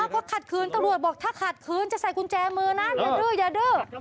ก็ขัดคืนตำรวจบอกถ้าขัดคืนจะใส่กุญแจมือนะอย่าดื้ออย่าดื้อ